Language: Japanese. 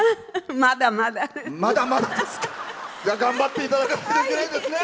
まだまだ。頑張っていただかないといけないですね。